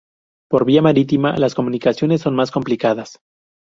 Por vía marítima las comunicaciones son más complicadas.